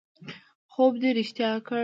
خوب دې رښتیا کړ